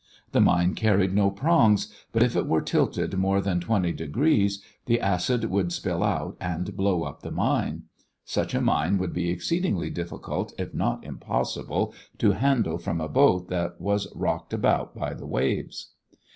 The mine carried no prongs, but if it were tilted more than twenty degrees the acid would spill out and blow up the mine. Such a mine would be exceedingly difficult if not impossible to handle from a boat that was rocked about by the waves.